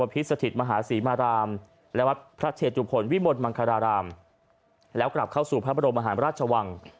ไปที่ฤทธิ์แล้วกลับเข้าสู่พระบรมแหนะราชวัง